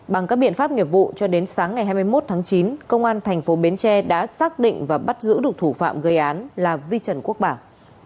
bằng các biện pháp nghiệp vụ cho đến sáng ngày hai mươi một tháng chín công an thành phố bến tre đã xác định và bắt giữ được thủ phạm gây án là vi trần quốc bảo